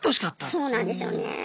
そうなんですよね。